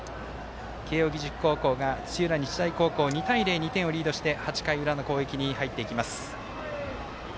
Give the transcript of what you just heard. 慶応義塾高校が土浦日大高校を２対０、２点リードして８回の裏の攻撃に入っていきます。